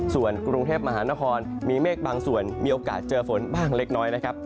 ส่วนกรุงเทพมหานครมีเมฆบางส่วนมีโอกาสเจอฝนบ้างเล็กน้อยนะครับ